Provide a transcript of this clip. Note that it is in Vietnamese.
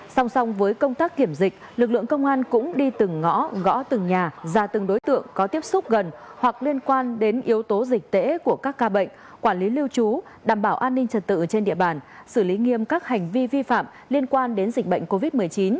song song với công tác kiểm dịch lực lượng công an cũng đi từng ngõ gõ từng nhà ra từng đối tượng có tiếp xúc gần hoặc liên quan đến yếu tố dịch tễ của các ca bệnh quản lý lưu trú đảm bảo an ninh trật tự trên địa bàn xử lý nghiêm các hành vi vi phạm liên quan đến dịch bệnh covid một mươi chín